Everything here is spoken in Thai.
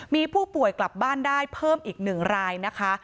มีผู้ป่วยกลับบ้านได้เพิ่มอีก๑รายนะคะ